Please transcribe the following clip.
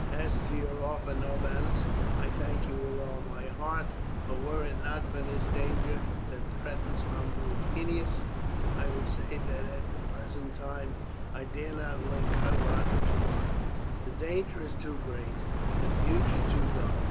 As to your offer, Norbanus, I thank you with all my heart; but were it not for this danger that threatens from Rufinus, I would say that at the present time I dare not link her lot to mine. The danger is too great, the future too dark.